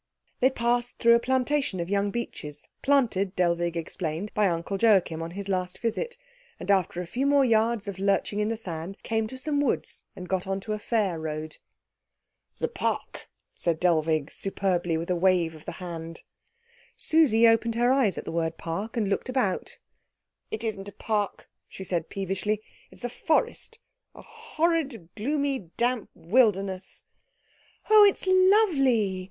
They passed through a plantation of young beeches, planted, Dellwig explained, by Uncle Joachim on his last visit; and after a few more yards of lurching in the sand came to some woods and got on to a fair road. "The park," said Dellwig superbly, with a wave of the hand. Susie opened her eyes at the word park, and looked about. "It isn't a park," she said peevishly, "it's a forest a horrid, gloomy, damp wilderness." "Oh, it's lovely!"